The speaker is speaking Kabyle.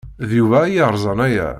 D Yuba ay yerẓan aya.